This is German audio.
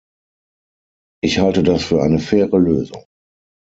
Ich halte das für eine faire Lösung.